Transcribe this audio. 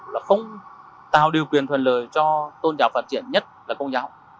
là không tạo điều quyền thuần lời cho tôn giáo phát triển nhất là công giáo